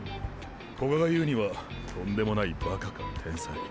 古賀が言うにはとんでもないバカか天才。